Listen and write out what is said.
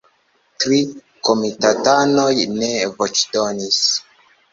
Tri komitatanoj ne voĉdonis.